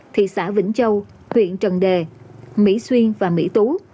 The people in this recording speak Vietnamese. thị xã vĩnh châu huyện trần đề mỹ xuyên và mỹ tú